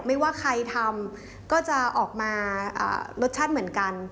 ไม่ว่าใครทำก็จะออกมารสชาติเหมือนกัน